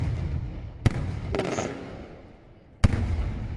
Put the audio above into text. Unzen.